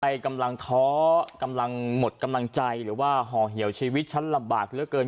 ใครกำลังท้อกำลังหมดกำลังใจหรือว่าห่อเหี่ยวชีวิตฉันลำบากเหลือเกิน